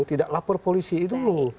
tidak lapor polisi dulu